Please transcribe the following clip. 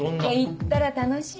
行ったら楽しいわよ。